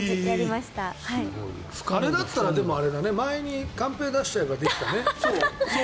あれだったらね前にカンペを出したらできたね。